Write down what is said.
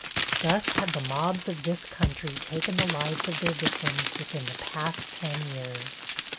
Thus have the mobs of this country taken the lives of their victims within the past ten years.